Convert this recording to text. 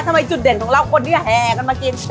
ทำไมจุดเด่นของเราคนที่แห่กันมากิน